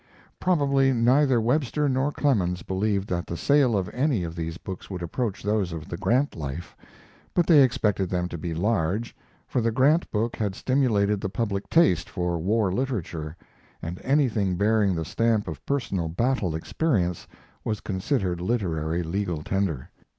Probably neither Webster nor Clemens believed that the sale of any of these books would approach those of the Grant Life, but they expected them to be large, for the Grant book had stimulated the public taste for war literature, and anything bearing the stamp of personal battle experience was considered literary legal tender.